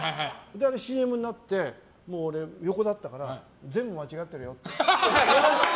ＣＭになって、横だったから全部間違ってるよって。